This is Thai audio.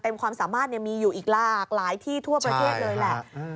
ความสามารถมีอยู่อีกหลากหลายที่ทั่วประเทศเลยแหละ